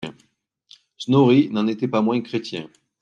Snorri n'en était pas moins chrétien.